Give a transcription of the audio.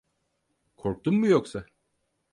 Korktun mu yoksa?